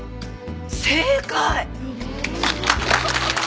正解！